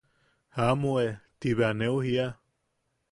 ¡Jaʼamu e! ti bea neu jiia.